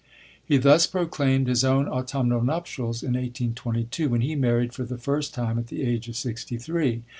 He thus proclaimed his own autumnal nuptials in 1822, when he married for the first time at the age of sixty three.